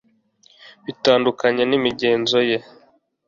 Bitandukanye nimigenzo ye